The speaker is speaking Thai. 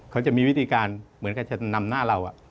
เขาจะมีวิธีการเหมือนกับจะนำหน้าเรา